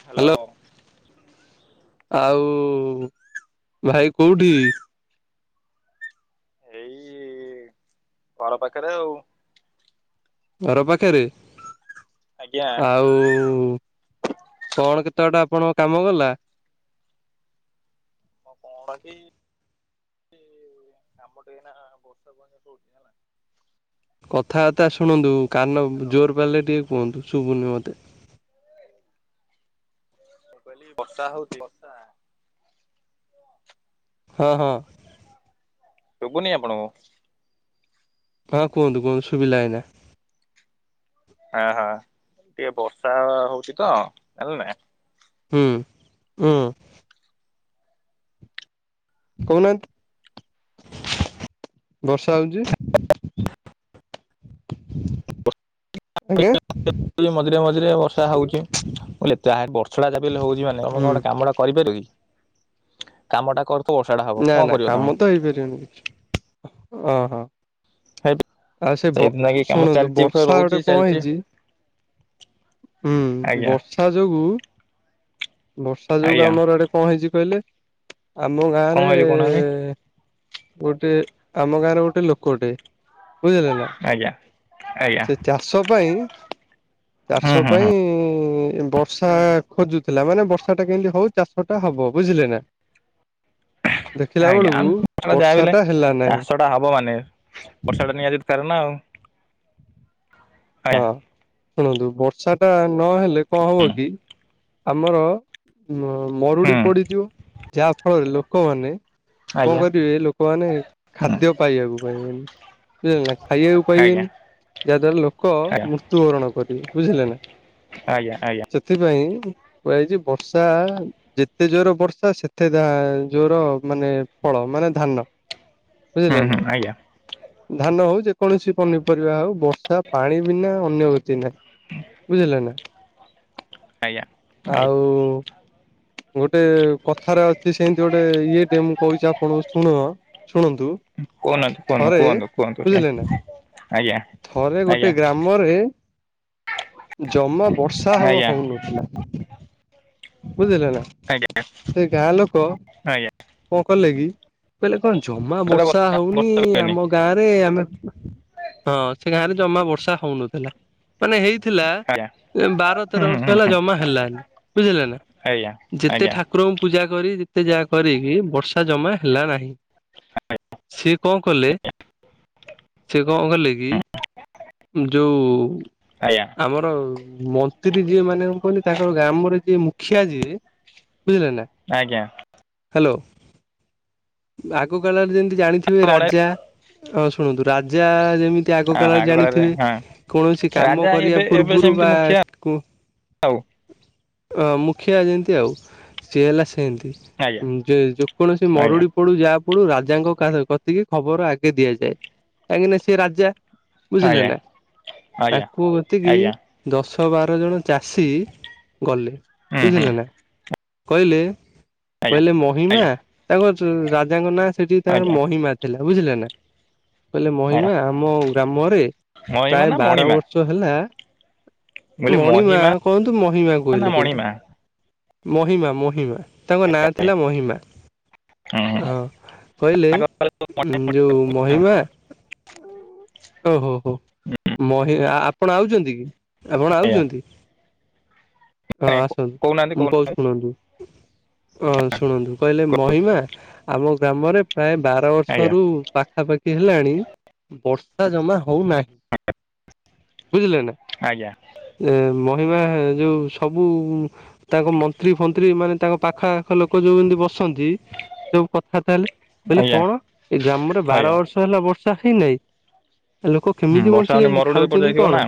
Hello? ଆଉ ଭାଇ କୋଉଠି? ଏଇ ଘର ପାଖରେ ଆଉ। ଘର ପାଖରେ, ଆଜ୍ଞା ଆଉ କଣ କେତେବାଟ ଆପଣଙ୍କ କାମ ଗଲା? ହଁ କଣ କି ଆମ ଟେ ଏଇନା ବର୍ଷା ପାଣି ପଡୁଛି ହେଲା। କଥାବାର୍ତ୍ତା ଶୁଣନ୍ତୁ କାନ ହ୍ୟାଲୋ ଜୋର ପାରିଲେ ଟିକେ କୁହନ୍ତୁ ଶୁଭୁନି ମତେ। କହିଲି ବର୍ଷା ହଉଛି ବର୍ଷା। ହଁ ହଁ। ଶୁଭୁନି ଆପଣଙ୍କୁ? ହଁ କୁହନ୍ତୁ କୁହନ୍ତୁ ସୁବିଲା ଏଇନା। ହା ହା ଟିକେ ବର୍ଷା ହଉଚି ତ ହେଲାନା ହୁଁ ହୁଁ। କହୁନାନ୍ତି ବର୍ଷା ହଉଚି। ମଝିରେ ମଝିରେ ବର୍ଷା ହଉଛି। [unintelligible] ବର୍ଷା ଟା ଯାହା ବି ହଉଛି ମାନେ ତମେ ହୁଁ କଣ କାମ ଟା କରିପାର କି କାମଟା ବର୍ଷା ଟା ହବ ନା କଣ ନା କରିବ ତମେ କାମ ତ ହେଇପାରିବନି କିଛି, ଅ ହୋ। ହ। ଆଉ ସେ, ଶୁଣନ୍ତୁ ବର୍ଷା ରହୁଛି ଗୋଟେ କଣ ଚାଲିଛି ହେଇଛି ହୁଁ ବର୍ଷ ଆଜ୍ଞା ବର୍ଷା ଯୋଗୁ ବର୍ଷା ଯୋଗୁ ଆଜ୍ଞା ଆମର ଆଡ଼େ କଣ ହେଇଛି କହିଲେ ଆମ କଣ ଗାଁରେ କହିଲି କହୁନାହାନ୍ତି ଗୋଟେ ଆମ ଗାଁରେ ଗୋଟେ ଲୋକଟେ ବୁଝିଲେ ନା ଆଜ୍ଞା ଆଜ୍ଞା ସେ ଚା ଚାଷ ପାଇଁ ହୁଁ ଚାଷ ହୁଁ ହୁଁ ପାଇଁ ବର୍ ବର୍ଷା ଖୋଜୁଥିଲା ମାନେ ବର୍ଷା ଟା କେମିତି ହଉ ଚାଷ ଟା ହବ ବୁଝିଲେ ନା [inaudible] ଆ ଆଜ୍ଞା ବେଳକୁ ଯାହାବି ବର୍ଷା ହେଲେ ଟା ହେଲା ନାହିଁ ଚାଷ ଟା ହବ ମାନେ ବର୍ଷା ଟା ନିହାତି ଦରକାର ନା ଆଉ ହଁ ଆଜ୍ଞା ଶୁଣନ୍ତୁ ବର୍ଷା ଟା ନହେଲେ କଣ ହବ କି ଆମର ହୁଁ ମରୁଡ଼ି ପଡ଼ିଯିବ ଯାହା ଫଳରେ ଲୋକମାନେ କଣ ଆଜ୍ଞା କରିବେ ଲୋକମାନେ ହୁଁ ଖାଦ୍ୟ ପାଇବାକୁ ପାଇବେନି। ବୁଝିଲେ ନା ଖାଇବାକୁ ଆଜ୍ଞା ପାଇବେନି ଯାହାଦ୍ଵାରା ଲୋ ଲୋକ ଆଜ୍ଞା ମୃତ୍ୟୁବରଣ କରିବେ ବୁଝିଲେ ନା ଆଜ୍ଞା ଆଜ୍ଞା ସେଥିପାଇଁ କୁହା ହେଇଛି ବର୍ଷା ଯେତେ ଜୋର ବର୍ଷା ସେତେ ଧା ଜୋର ମାନେ ଫଳ ମାନେ ଧାନ ହୁଁ ବୁଝିଲେ ହୁଁ ନା ଆଜ୍ଞା ଧାନ ହଉ ଯେକୌଣସି ପନିପରିବା ହଉ ବର୍ଷା ପାଣି ବିନା ଅନ୍ୟ ଗତି ନାହିଁ ବୁଝିଲେ ନା ଆଜ୍ଞା। ଆଜ୍ଞା ଆଉ ଗୋଟେ କଥାରେ ଅଛି ସେମିତି ଗୋଟେ ଇଏ ଟେ ମୁଁ କହୁଛି ଆପଣଙ୍କୁ ଶୁଣ ଶୁଣନ୍ତୁ କୁହନାହାନ୍ତି କୁହନ୍ତୁ ଥରେ କୁହନ୍ତୁ ବୁଝିଲେ ନା କୁହନ୍ତୁ ଆଜ୍ଞା ଥରେ ଗୋଟେ ଆଜ୍ଞା ଗ୍ରାମରେ ଜମା ବର୍ଷା ହ ଆଜ୍ଞା ହଉନଥିଲା ବୁଝିଲେ ନା ଆଜ୍ଞାା। ସେ ଗାଁ ଲୋକ କଣ କଲେ କି କହିଲେ କଣ ଜମା ସେଟା ବର୍ଷା ହଉନି ବର୍ଷା ହୁଏନି ଆମ ଗାଁରେ ଆମେ ହଁ ସେ ଗାଁରେ ଜମା ବର୍ଷା ହଉନଥିଲା ମାନେ ହେଇଥିଲା ଆଜ୍ଞା ବାର ହୁଁ ତେର ହୁଁ ବର୍ଷ ହୁଁ ହେଲା ହୁଁ ଜମା ହେଲାନି ବୁଝିଲେ ନା ଆଜ୍ଞା ଯେତେ ଆଜ୍ଞା ଠାକ୍ ଠାକୁରଙ୍କୁ ପୂଜା କରି ଯେତେ ଯାହା କରିକି ବର୍ଷା ଜମା ହେଲା ନାହିଁ ସିଏ କଣ କଲେ ସେ କଣ କଲେ କି ହୁଁ ଯୋଉ ଆଜ୍ଞା। ଆମର ମନ୍ତ୍ରୀ ଯିଏ ମାନେ କହିଲି ତାଙ୍କର ଗ୍ରାମରେ ଯିଏ ମୁଖିଆ ଯିଏ ବୁଝିଲେ ନା ଆଜ୍ଞା। ହ୍ୟାଲୋ ଆଗ କାଳରେ ଯେମିତି ଜାଣିଥିବେ ଗଣେ ରାଜା ହଁ ଶୁଣନ୍ତୁ ରାଜା ଯେମିତି ଆଗ କାଳରେ ଜାଣିଥିବେ କୌଣସି କାମ ରାଜା ଏବେ କରିବା ଏବେ ପୂର୍ବରୁ ସେମିତି ବା ମୁଖିଆ ଆଉ। ହଁ ମୁଖିଆ ଯେମିତି ଆଉ ସିଏ ହେଲା ସେମିତି। ଆଜ୍ଞା ଯେ ଯେକୌଣସି ଆଜ୍ଞା ମରୁଡ଼ି ପଡ଼ୁ ଯାହା ପଡ଼ୁ ରାଜାଙ୍କ କତିକି ଖବର ଆଗେ ଦିଆଯାଏ। କାହିଁକିନା ସେ ରାଜା ବୁଝିଲେ ଆଜ୍ଞା ନା ଆଜ୍ଞା ତାଙ୍କୁ ଏତିକି ଆଜ୍ଞା ଦଶ ବାର ଜଣ ଚାଷୀ ଗଲେ ହୁଁ ହୁଁ ବୁଝିଲେ ନା କହିଲେ ଆଜ୍ଞା କହିଲେ ମହିମା ଆଜ୍ଞା ତାଙ୍କ ରାଜାଙ୍କ ନାଁ ସେଠି ତାଙ୍କର ଆଜ୍ଞା ମହିମା ଥିଲା ବୁଝିଲେ ନା। କହିଲେ ଆଜ୍ଞା ମହିମା ଆମ ଗ୍ରାମରେ ମହିମା ପ୍ରାୟ ନା ବାର ମଣିମା ମୁଁ ବର୍ଷ ହେଲା କହିଲି ମଣିମା ମହିମା କୁହନ୍ତୁ ମହିମା ନା କହିଲେ କିନ୍ତୁ ମଣିମା ମହିମା ମହିମା ତାଙ୍କ ନାଁ ଆଜ୍ଞା ଥିଲା ମହିମା ହଁ। କହିଲେ ଆଜ୍ଞା ଉଁ ଯୋଉ ମହିମା ଓ ହୋ ହୋ ମହି ଆପଣ ଆଉଚନ୍ତି ଆପଣ ଆଉଛନ୍ତି। ହଁ ଆସନ୍ତୁ ମୁଁ କହୁ ଶୁଣନ୍ତୁ ହଁ ଶୁଣନ୍ତୁ କହିଲେ ମହିମା ଆମ ଗ୍ରାମରେ ପ୍ରାୟ ବାର ଆଜ୍ଞା ବର୍ଷରୁ ପାଖାପାଖି ହେଲାଣି ବ ବର୍ଷା ଜମା ହଉନାହିଁ ବୁଝିଲେ ନା। ଆଜ୍ଞା। ଏ ମହିମା ଯୋଉ ସବୁ ତାଙ୍କ ମନ୍ତ୍ରୀ ଫନ୍ତ୍ରୀ ମାନେ ତାଙ୍କ ପାଖ ଆଖ ଲୋକ ଯୋଉ ଏମିତି ବସନ୍ତି। ସବୁ କଥା ତାହେଲେ କହିଲେ ଆଜ୍ଞା କଣ ଏ ଗ୍ରାମରେ ବାର ଆଜ୍ଞା ବର୍ଷ ହେଲା ବର୍ଷା ହେଇନାହିଁ। ଲୋକ ହୁଁ କେମିତି ବର୍ଷା ହଉନି ବଞ୍ଚିଛନ୍ତି ମରୁଡି ଏପଟେ ଖାଉଛନ୍ତି ଯାଇଥିବ ନା କଣ?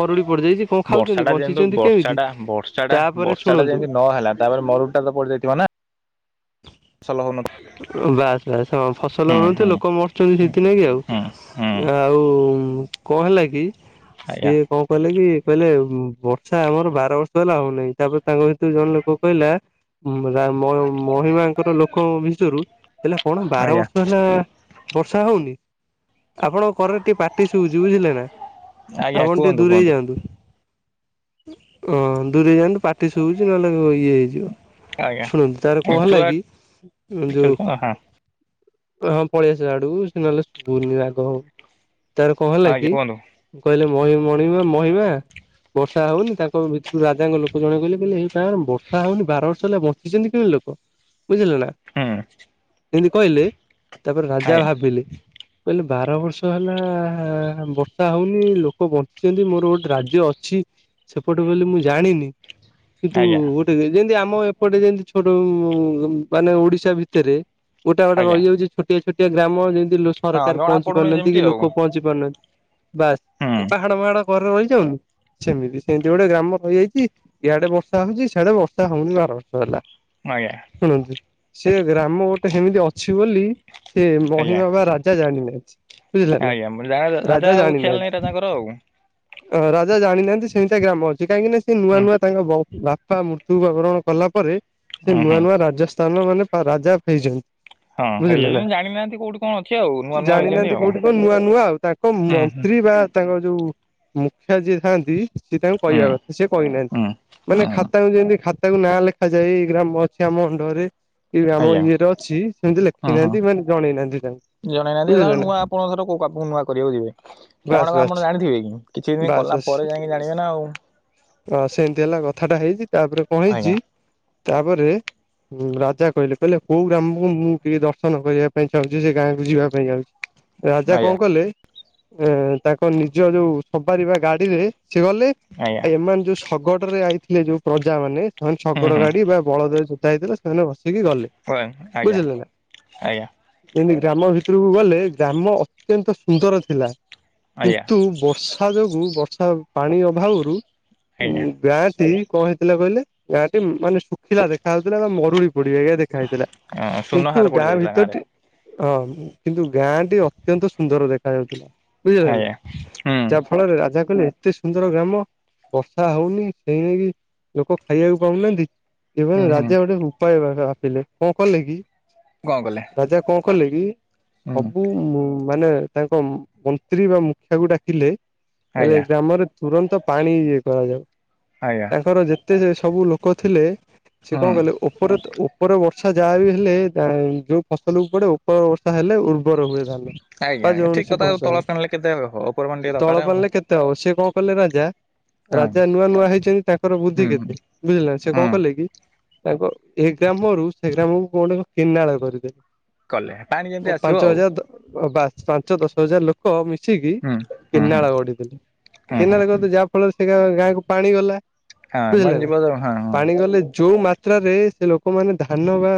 ମରୁଡ଼ି ପଡିଯାଇଛି କଣ ବର୍ଷା ଖାଉଛନ୍ତି ଟା ଯେହେତୁ ବଞ୍ଚିଛନ୍ତି ବର୍ଷା କେମିତି ଟା ବର୍ଷା ଟା ତାପରେ ବର୍ଷା ଟା ଶୁଣନ୍ତୁ। ଯେମିତି ନହେଲା ତାପରେ ମରୁଡ଼ି ଟା ତ ପଡି଼ଯାଇଥିବ ନା। [unintelligible] ବାସ୍ ବାସ୍ ହଁ ଫସଲ ହୁଁ [unintelligible] ହୁଁ ଲୋକ ମରୁଚନ୍ତି ସେଥିଲାଗି ଆଉ। ହୁଁ ହୁଁ ଆଉ କଣ ହେଲା କି ଆଜ୍ଞା ସିଏ? କଣ କହିଲେ କି କହିଲେ ବର୍ଷା ଆମର ବାର ବର୍ଷ ହେଲା ହଉନାହିଁ ତାପରେ ତାଙ୍କ ଭିତରୁ ଜଣେ ଲୋକ କହିଲା ମ ମହିମାଙ୍କର ଲୋକ ଭିତରୁ ହେଲା କଣ ବାର ଆଜ୍ଞା ବର୍ଷ ହେଲା ବର୍ଷା ହଉନି ଆପଣଙ୍କ କର ରେ ଟିକେ ପାଟି ଶୁଭୁଛି ବୁଝିଲେ ନା। ଆଜ୍ଞା ଆପଣ ଟିକେ କୁହନ୍ତୁ ଦୂରେଇ କୁହନ୍ତୁ ଯାଆନ୍ତୁ। ହଁ ଦୂରେଇ ଯାଆନ୍ତୁ ପାଟି ଶୁଭୁଛି ନହେଲେ ଇଏ ହେଇଯିବ। ଆଜ୍ଞା ଶୁଣନ୍ତୁ ତାର କଣ ଆଜ୍ଞା ହେଲା ଛୁଆ କି ଯୋଉ ଖେଳୁଛନ୍ତି ହଁ ହଁ ପଳେଇ ଆସିଲା ଆଡ଼କୁ ସେ ନହେଲେ ଶୁଭୁନି [unintelligible] ତାର କଣ ହେଲା ଆଜ୍ଞା କି କୁହନ୍ତୁ କହିଲେ ମହି ମଣିମା ମହିମା। ବର୍ଷା ହଉନି ତାଙ୍କ ଭିତରୁ ରାଜାଙ୍କ ଲୋକ ଜଣେ କହିଲେ କହିଲେ [unintelligible] ବର୍ଷା ହଉନି ବାର ବର୍ଷ ହେଲା ବ [unintelligible] ଲୋକ ବୁଝିଲେ ନା। ହୁଁ। ଏମିତି କହିଲେ ତାପରେ ରାଜା ଆଜ୍ଞା ଭାବିଲେ କହିଲେ ବାର ବର୍ଷ ହେଲା ବର୍ଷା ହଉନି ଲୋକ ବଞ୍ଚିଛନ୍ତି ମୋର ଗୋଟେ ରାଜ୍ୟ ଅଛି। ସେପଟେ ବୋଲି ମୁଁ ଜାଣିନି। କିନ୍ତୁ ଆଜ୍ଞା ଗୋଟେ ଯେମିତି ଆମ ଏପଟେ ଯେମିତି ଛୋଟ ମାନେ ଓଡ଼ିଶା ଭିତରେ ଗୋଟା ଗୋଟେ ଆଜ୍ଞା ରହିଯାଉଛି ଛୋଟିଆ ଛୋଟିଆ ଗ୍ରାମ ଯେମିତି ହଁ ସରକାର ଜଣା ପହଞ୍ଚି ପଡୁନି ପାରୁନାହାନ୍ତି ଯେମିତି କି ଆଉ ଲୋକ ପହଞ୍ଚି ପାରୁନାହାନ୍ତି। ବାସ୍ ଏ ହୁଁ ପାହାଡ଼ ଫାହାଡ଼ ଘରେ ରହିଯାଉନି। ସେମିତି ସେମିତି ଗୋଟେ ଗ୍ରାମ ରହିଯାଇଛି ଇଆଡ଼େ ବର୍ଷା ହଉଛି ସିଆଡେ଼ ବର୍ଷା ହଉନି ବାର ବର୍ଷ ହେଲା। ଆଜ୍ଞା ଆଜ୍ଞା। ଶୁଣନ୍ତୁ ସେ ଗ୍ରାମ ଗୋଟେ ସେମିତି ଅଛି ବୋଲି ସେ ଆଜ୍ଞା ମହିମା ବା ରାଜା ଜାଣିନାହାନ୍ତି। ବୁଝିଲେ ନା ଆଜ୍ଞା ମୁଁ ଯା ରାଜା ଆଉ ଖିଆଲ ନାହିଁ ଜାଣିନାହାନ୍ତି। ରାଜାଙ୍କର ଆଉ। ଅ ରାଜା ଜାଣିନାହାନ୍ତି ସେମିତିଆ ଗ୍ରାମ ଅଛି କାହିଁକି ନା ସେ ନୂଆ ହୁଁ ନୂଆ ତାଙ୍କ ବ ବାପା ମୃତ୍ୟୁ ବରଣ କଲା ପରେ ସେ ଉଁ ହୁଁ ନୂଆ ନୂଆ ରାଜ ସ୍ଥାନ ମାନେ ବା ରାଜା ହେଇଛନ୍ତି। ହଁ ବୁଝିଲେ ନା ହେଇଯାଇଛନ୍ତି ଜାଣିନାହାନ୍ତି କୋଉଠି କଣ ଅଛି ଆଉ ନୂଆ ନୂଆ ହେଇଛନ୍ତି ଜାଣିନାହାନ୍ତି ଆଉ। କୋଉଠି କଣ ନୂଆ ନୂଆ ଆଉ ତା କ ହୁଁ ହୁଁ ମନ୍ତ୍ରୀ ବା ତାଙ୍କ ଯୋଉ ମୁଖିଆ ଯିଏ ଥାନ୍ତି ସିଏ ତାଙ୍କୁ ହୁଁ କହିବା କଥା ସିଏ କହିନାହାନ୍ତି। ହୁଁ ମାନେ ହୁଁ ଖାତାକୁ ଯେମିତି ଖାତାକୁ ନାଁ ଲେଖାଯାଏ ଗ୍ରାମ ଅଛି ଆମ ଅଣ୍ଡରେ। ଏ ଆମ ଆଜ୍ଞା ଇଏରେ ଅଛି ସେମିତି ଲେଖେଇ ନାହାନ୍ତି ମାନେ ଜଣେଇନାହାନ୍ତି ତାଙ୍କୁ। ଜଣେଇନାହାନ୍ତି ଏ ସ ବୁଝିଲେ ନା ନୂଆ ଆପଣର କଉ କକୁ ନୂଆ କରିବାକୁ ଯିବେ କ କଣ ବାସ୍ କଣ ବାସ୍ ଆପଣ ଜାଣିଥିବେ କି? କିଛି ଦିନ ବାସ୍ କଲା ବାସ୍ ପରେ ଯାଇକି ଜାଣିବେ ନା ଆଉ। ହଁ ସେମିତି ହେଲା କଥାଟା ହେଇଛି ତାପରେ କଣ ଆଜ୍ଞା ହେଇଛି ତାପରେ ହୁଁ ରାଜା କହିଲେ କହିଲେ କୋଉ ଗ୍ରାମକୁ ମୁଁ ଟିକେ ଦର୍ଶନ କରିବା ପାଇଁ ଚାହୁଁଛି ସେ ଗାଁ କକୁ ଯିବା ପାଇଁ ଚାହୁଁଛି। ରାଜା ଆଜ୍ଞା କଣ କଲେ ଏ ତାଙ୍କ ନିଜ ଯୋଉ ସବାରି ବା ଗାଡିରେ ସେ ଗଲେ ଆଜ୍ଞା। ସେମାନେ ଯୋଉ ଶଗଡ ରେ ଆଇଥିଲେ ଯୋଉ ପ୍ରଜା ମାନେ ସେମାନେ ହୁଁ ଶଗଡ ହୁଁ ଗାଡି ବା ବଳଦ ଯୋତା ହେଇଥିଲା। ସେ ବସିକି ଗଲେ ଓ ଆଜ୍ଞା ବୁଝିଲେ ନା। ଆଜ୍ଞା ଯେମିତି ଗ୍ରାମ ଭିତରକୁ ଗଲେ ଗ୍ରାମ ଅତ୍ୟନ୍ତ ସୁନ୍ଦର ଥିଲା ଆଜ୍ଞା କିନ୍ତୁ ବର୍ଷ ସା ଯୋଗୁଁ ବର୍ଷା ପାଣି ଅଭାବରୁ ଆଜ୍ଞା ଉଁ ଗାଁଟି କଣ ହେଇଥିଲା କହିଲେ ଗାଁଟି ମାନେ ଶୁଖିଲା ଦେଖାହଉଥିଲା ବା ମରୁଡ଼ି ପଡିିବ ଆଜ୍ଞା ଦେ ଖା ହେଇଥିଲା ଅଁ, ସୁନ କିନ୍ତୁ ହାର ଗାଁ ପଡିଯାଇଥିଲା ଗାଁରେ ଭିତରଟି ହଁ କିନ୍ତୁ ଗାଁଟି ଅତ୍ୟନ୍ତ ସୁନ୍ଦର ଦେଖା ଯାଉଥିଲା ବୁଝିଲ ଆଜ୍ଞା ନା। ହୁଁ ଯାହା ଫଳରେ ରାଜା କହିଲେ ଏତେ ସୁନ୍ଦର ଗ୍ରାମ। ବର୍ଷା ହଉନି ସେଇ ନେଇକି ଲୋକ ଖାଇବାକୁ ପାଉନାହାନ୍ତି ଏବଂ ହୁଁ ହୁଁ ରାଜା ଗୋଟେ ଉପାୟ ବେଳା ଭାବିଲେ କଣ କଲେ କି କଣ କଲେ ରାଜା କଣ କଲେ କି ହୁଁ ସବୁ ମାନେ ତାଙ୍କ ମନ୍ତ୍ରୀ ବା ମୁଖିଆକୁ ଡାକିଲେ ହେଲେ ଆଜ୍ଞା ଗ୍ରାମରେ ତୁରନ୍ତ ପାଣି ଇଏ କରାଯାଉ। ଆଜ୍ଞା। ପାର ଯେତେ ସବୁ ଲୋକ ଥିଲେ ସେ ହୁଁ କଣ କିଲ ଉପରେ ତ ଉପର ବର୍ଷା ଯାହା ବି ହେଲେ ଯୋଉ ଫସଲ ଉପଡେ ଉପର ବର୍ଷା ହେଲେ ଉର୍ବର ହୁଏ ତାହଲେ। ଆଜ୍ଞା ଆଜ୍ଞ ଠିକ କଥା ଆଉ ତଳ ପାଣିଲେ କେତେବେ ଉପର ପାଣି ଟିକେ ଦରକାର ଆଉ। ତଉ ସେ କଣ କଲେ ରାଜା ହଁ ରାଜା ନୂଆ ନୂଆ ହେଇଛନ୍ତି ତାଙ୍କର ହୁଁ ବୁଦ୍ଧି ହୁଁ କେତେ ବୁଝିଲା ସେ ହୁଁ କଣ କଲେ କି ତାଙ୍କ ଏ ଗ୍ରାମରୁ ସେ ଗ୍ରାମକୁ କୋଟ କିନାଳ କରିଦେଲେ। କଲେ ପାଣି ଯେମିତି ଓ ଆସିବ ପାଞ୍ଚ ଆଉ ହଜାର ବାସ୍ ପାଞ୍ଚ ଦଶ ହଜାର ଲୋ ଲୋକ ମିଶିକି ହୁଁ ହୁଁ ହୁଁ କେନାଲ ଗଢଦେଲେ ହୁଁ କେନାଲ ହୁଁ ଗଢି କି ଯାହା ଫଳରେ ସେ ଗା ଗାଁକୁ ପାଣି ଗଲା ହଁ ବୁଝିଲେ ନା ବନିଯିବ ତ। ହଁ ହଁ ପାଣି ଗଲେ ଯୋଉମା ମାତ୍ରରେ ସେ ଲୋକମାନେ ଧାନ ବା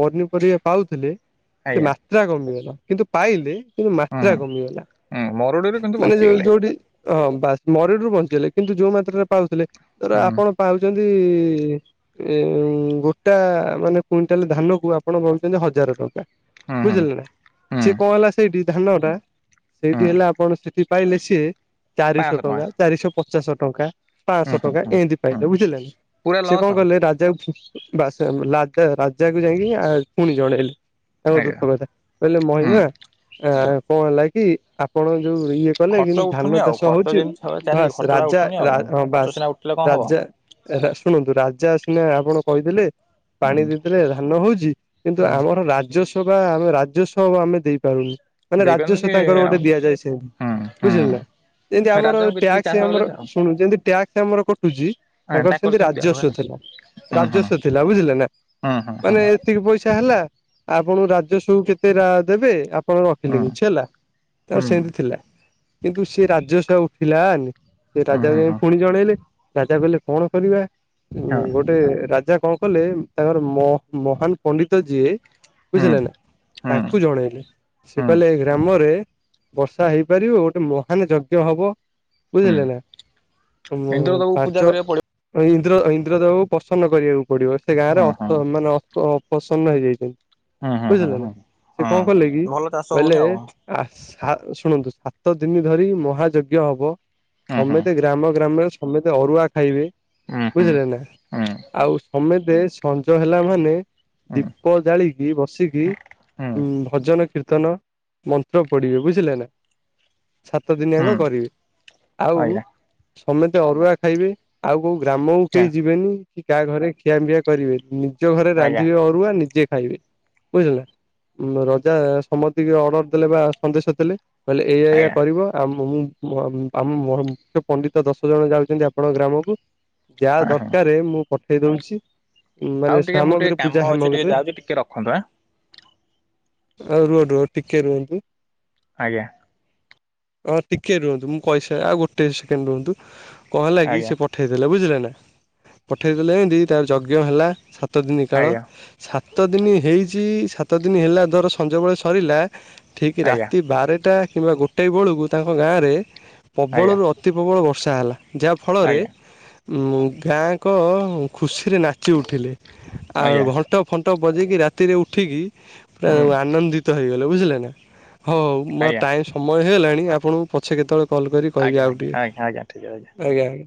ପନିପରିବା ପାଉଥିଲେ ସେ ଆଜ୍ଞା ମା ତ୍ରା କମିଗଲା କିନ୍ତୁ ପାଇଲେ କିନ୍ତୁ ହୁଁ ମାତ୍ରା ହୁଁ କମିଗଲା ହୁଁ ମରୁଡିରୁ କିନ୍ତୁ ମାନେ ଯୋଉ ବଞ୍ଚିଗଲେ ଯୋଉଠି ହଁ ବାସ୍ ମରିଡୁ ବଞ୍ଚିଗଲେ କିନ୍ତୁ ଯୋଉ ମାତ୍ରାରେ ପାଉଥିଲେ ଧର ହୁଁ ଆପଣ ପାଉଛନ୍ତି ଏ ଗୋଟା ମାନେ କୁଇଣ୍ଟାଲ ଧାନ କୁ ଆପଣ ଭାବୁଛନ୍ତି ହଜାର ଟଙ୍କା। ହୁଁ ହୁଁ ବୁଝିଲ ନା ହୁଁ ସେ କଣ ହେଲା ସେଇଠି ଧାନ ଟା ସେଇଠି ହୁଁ ହେଲା ଆପଣ ସେଠି ପାଇଲେ ସିଏ ଚାରିଶହ ଟଙ୍କା ଚାରିଶହ ପଚାଶଶହ ଟଙ୍କା ହୁଁ ହୁଁ ପାଂଶହଟଙ୍କା ହୁଁ ଏମିତି ପାଇଲେ ହୁଁ ବୁଝିଲାନି ପୁରା ସେ ଲସ୍ କଣ ଆଉ କଲେ ରାଜାକୁ ବାସ ଲାଜା ରାଜାକୁ ଯାଇକିଆଉ ପୁଣି ଜଣେଇଲେ। ତାଙ୍କ ଦୁଃଖ ଆଜ୍ଞା କଥା କହିଲେ ହୁଁ ମହିମା ଆ କଣ ହେଲା କି ଆପଣ ଯୋଉ ଇଏ କଲେ ଖର୍ଚ୍ଚ କିନ୍ତୁ ଉଠୁନି ଧାନ ଆଉ ଚାଷ ଖର୍ଚ୍ଚ ହଉଛି ଯେମିତି ସ- ଚାଲିଛି ବାସ୍ ଖର୍ଚ୍ଚଟା ରାଜା ଉଠୁନି ଆଉ ରା ହଁ ଖର୍ଚ୍ଚ ବାସ୍ ସିନା ଉଠିଲେ କଣ ହବ ରାଜା ଶୁଣନ୍ତୁ ରାଜା ସିନା ଆପଣ କହିଥିଲେ ହୁଁ ପାଣି ଦେଇଥିଲେ ଧାନ ହଉଛି କିନ୍ତୁ ହୁଁ ଆମର ରାଜ ବା ଆମେ ରାଜସ୍ୱ ଆମେ ଦେଇପାରୁନୁ। ମାନେ ଦେଇପାରୁନୁ ରାଜ୍ୟସ୍ଵ କି ତାଙ୍କର ଆଉ ଗୋଟେ ଦିଆଯାଏ ହୁଁ ସେମତି ହୁଁ ବୁଝିଲ ହୁଁ ନା ଯେମତି ରାଜାଙ୍କୁ କିଛି କିଛି ଆମରଟ୍ୟାକ୍ ସେ ଚାଷ କଲେ ଆମର ତ ଆଉ ଶୁଣୁ ଯେମତି ଟ୍ୟାକ୍ସ ଆମର କଟୁଛି ତାଙ୍କର ସେମିତି ରାଜସ୍ଵ ଥିଲା। ରାଜସ୍ୱ ଥିଲା ବୁଝିଲେ ନା। ହୁଁ, ହଁ। ମାନେ ଏତିକି ପଇସା ହେଲା, ଆପଣ ରାଜସ୍ୱ କୁ କେତେ ରା ଦେବେ ଆପ୍ କଣ ରଖିଲେ କିଛି ହେଲା, ତାଙ୍କ ସେଏଁତି ଥିଲା କିନ୍ତୁ, ସିଏ ରାଜସ ଆଉ ଉଠିଲାନି। ସେ ରାଜା କୁ ଯାଇଁ ଫୁଣି ଜଣେଇଲେ। ରାଜା କହିଲେ କଣ କରିବା? ତ ଗୋଟ୍ ଟେ ରାଜା କଣ କଲେ, ତାଙ୍କର ମ-ମହାନ ପଣ୍ଡିତ ଯିଏ, ବୁଝିଲେ ନା ତାଙ୍କୁ ଜଣେଇଲେ। ସେ କହିଲେ ଏ ଗ୍ରାମରେ, ବର୍ଷା ହେଇପାରିବ। ଗୋଟେ ମହାନ ଯଜ୍ଞ ହବ। ବୁଝିଲେ ନାଁ, ମୁଁ ତାକୁ ପୂଜା ପାଞ୍ଚ କରିବାକୁ ପଡିବ। ଇନ୍ଦ୍ର ଇନ୍ଦ୍ରଦେବକୁ ପ୍ରସନ୍ନ କରିବାକୁ ପଡିବ। ସେ ଗାଁରେ ହଁ ହଁ ଅସ ମାନେ ଅସ ଅ ପ୍ରସନ୍ନ ହେଇଯାଇଛନ୍ତି। ହୁଁ ହୁଁ ହୁଁ ବୁଝିଲେ ନା, ହୁଁ ସେ ହଁ କଣ କଲେ କି? ଭଲ ଚାଷ କହିଲେ ହଉନି ଆଉ। ଆ ସା ଶୁଣନ୍ତୁ ସାତ ଦିନ ଧରି ମହାଯଜ୍ଞ ହବ। ହୁଁ ହୁଁ ସମେତେ ଗ୍ରାମ ଗ୍ରାମରେ ସମେତେ ଅରୁଆ ଖାଇବେ। ଉଁ। ବୁଝିଲେ ନା, ଆଉ ସମେତେ ସଞ୍ଜ ହେଲା ମାନେ ହୁଁ ଦୀପ ଜାଳିକି ବସିକି, ହୁଁ ଉ ଭଜନ କୀର୍ତ୍ତନ ମନ୍ତ୍ର ପଡିବେ ବୁଝିଲେ ନା! ସାତ ଦିନିଆଙ୍କ ହୁଁ କରିବେ। ଆଉ ଆଜ୍ଞା ସମେତେ ଅରୁଆ ଖାଇବେ। ଆଉ, କୋଉ ଗ୍ରାମକୁ କେହି ଯିବେନି? କି କାହା ଘରେ ଖିଆବିଆ କରିବେନି। ନିଜ ଘରେ ଆଜ୍ଞା ରାନ୍ଧିବେ ଅରୁଆ, ନିଜେ ଖାଇବେ। ବୁଝିଲେ ନା! ରଜା ସମତିକି ଅର୍ଡର ଦେଲେ ବା ସନ୍ଦେଶ ଦେଲେ, କହିଲେ ଏଇଆ ଏଇଆ ଆଜ୍ଞା କରିବ। ଆ, ମୁଁ ଆମ ମ-ମୁଖ୍ୟ ପଣ୍ଡିତ ଦଶ ଜଣ ଯାଉଛନ୍ତି, ଆପଣଙ୍କ ଗ୍ରାମକୁ। ଯାହା, ହଁ ହଁ ଦରକାରେ, ମୁଁ ପଠେଇ ଦଉଛି। ଆଉ ମାନେ ଟିକେ ମୁଁ ଟିକେ ସାମଗ୍ରୀ, କାମ ପୂଜା ଅଛି ଟିକେ ସାମଗ୍ରୀରେ। ଯାଉଛି ଟିକେ ରଖନ୍ତୁ ଆଁ ଆଉ, ରୁହ ରୁହ ଟିକେ ରୁହନ୍ତୁ। ଆଜ୍ଞା। ହଁ, ଟିକେ ରୁହନ୍ତୁ। ମୁଁ କହିସାରେ ଆଉ, ଗୋଟେ ସେକେଣ୍ଡ ରୁହନ୍ତୁ, କଣ ହେଲା ଗି ଆଜ୍ଞା ସେ ପଟ ଠେଇଦଲେ ବୁଝିଲେ ନା, ପଠାଇଦେଲେ ଏଁତି ତା ଯଜ୍ଞ ହେଲା ସାତଦିନି କାଳ। ଆଜ୍ଞା ସାତ ଦିନ ହେଇଛି, ସାତ ଦିନ ହେଲା ଧର ସଞ୍ଜବେଳେ ସରିଲା ଠିକ୍ ଆଜ୍ଞା ରାତି ବାରଟା କିମ୍ବା ଗୋଟାଏ ବେଳକୁ ତାଙ୍କ ଗାଁରେ ଆଜ୍ଞା ପ୍ରବଳରୁ ଅତ୍ ଅତି ପ୍ରବଳ ବର୍ଷା ହେଲା। ଯାହାଫଳରେ ଆଜ୍ଞା ଗାଁଙ୍କ ଖୁସିରେ ନାଚି ଉଠିଲେ। ଆଉ ଆଜ୍ଞା ଘଣ୍ଟ ଫଣ୍ଟ ବଜେଇକି, ରାତିରେ ଉଠିକି, ହୁଁ ପୁରା ଆନନ୍ଦିତ ହେଇଗଲେ। ବୁଝିଲେ ନା! ହଉ ମୋ ଆଜ୍ଞା ଟାଇମ୍ ସମୟ ହେଇଗଲାଣି, ଆପଣଙ୍କୁ ପଛେ କେତେବେଳେ କଲ୍ କରି କହିବି, ଆଜ୍ଞା ଆଜ୍ଞା ଆଉ ଆଜ୍ଞା ଟିକେ। ଆଜ୍ଞା ଠିକ୍ ଅଛି। ଆଗ୍ୟା-ଆ।